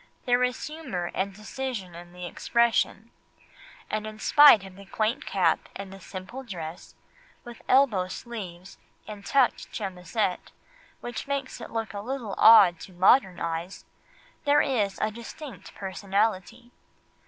There is humour and decision in the expression, and in spite of the quaint cap and the simple dress with elbow sleeves and tucked chemisette, which make it look a little odd to modern eyes, there is distinct personality.